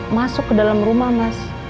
masuk ke dalam rumah mas